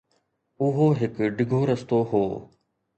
اهو هڪ ڊگهو رستو هو.